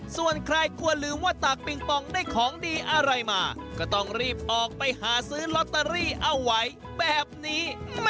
ส่วนใครควรลืมว่าตากปิงปองได้ของดีอะไรมาก็ต้องรีบออกไปหาซื้อลอตเตอรี่เอาไว้แบบนี้